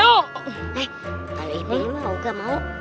eh kalau ibu mau gak mau